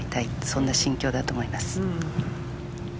そんな心境だと思います。